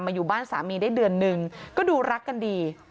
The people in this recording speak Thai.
อยู่บ้านสามีได้เดือนหนึ่งก็ดูรักกันดี